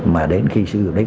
mà đến khi sử dụng đấy